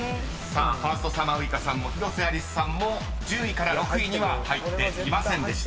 ［さあファーストサマーウイカさんも広瀬アリスさんも１０位から６位には入っていませんでした］